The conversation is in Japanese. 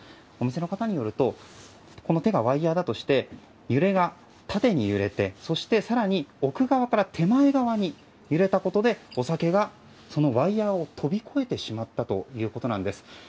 お店の方によるとこの手がワイヤだとして揺れが縦に揺れてそして更に奥側から手前側に揺れたことでお酒がそのワイヤを飛び越えてしまったということです。